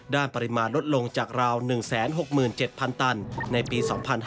ปริมาณลดลงจากราว๑๖๗๐๐ตันในปี๒๕๕๙